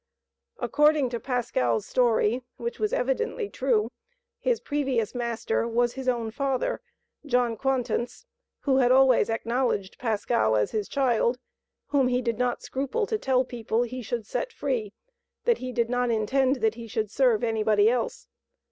According to Pascal's story, which was evidently true, his previous master was his own father (John Quantence), who had always acknowledged Pascal as his child, whom he did not scruple to tell people he should set free; that he did not intend that he should serve anybody else.